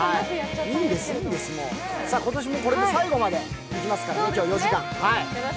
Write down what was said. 今年もこれで最後までいますからね、今日４時間。